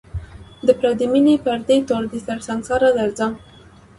د پردۍ میني پردی تور دی تر سنگساره درځم